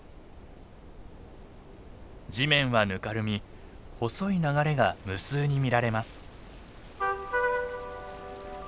地面はぬかるみ細い流れが無数に見られます。